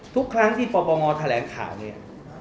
ทุกครั้งที่ปปงแถลงข่าวเนี่ย